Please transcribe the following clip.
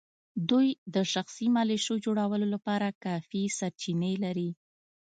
دوی د شخصي ملېشو جوړولو لپاره کافي سرچینې لري.